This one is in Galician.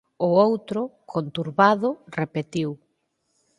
O outro, conturbado, repetiu: